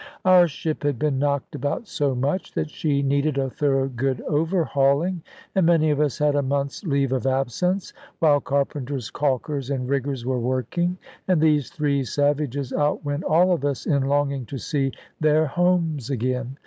Our ship had been knocked about so much, that she needed a thorough good overhauling, and many of us had a month's leave of absence, while carpenters, caulkers, and riggers were working. And these three savages outwent all of us in longing to see their homes again.